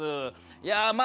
いやまあ